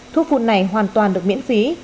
thuốc phun này hoàn toàn được miễn phí